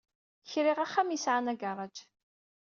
Kriɣ axxam ay yesɛan agaṛaj.